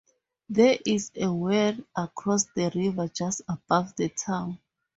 There is a weir across the river just above the town.